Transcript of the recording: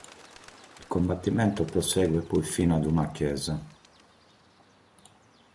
Il combattimento prosegue poi fino ad una chiesa.